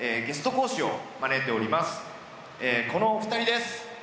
このお２人です。